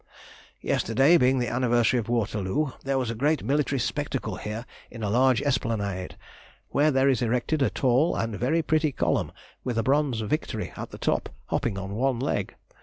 Yesterday, being the anniversary of Waterloo, there was a great military spectacle here in a large esplanade, where there is erected a tall and very pretty column, with a bronze "Victory" at the top, hopping on one leg.